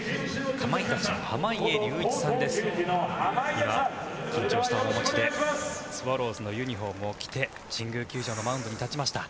今緊張した面持ちでスワローズのユニホームを着て神宮球場のマウンドに立ちました。